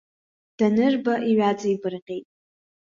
Данырба иҩаҵибарҟьеит.